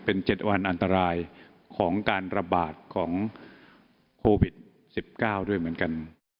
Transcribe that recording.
เป็น๗วันอันตรายของการระบาดของโควิด๑๙ด้วยเหมือนกัน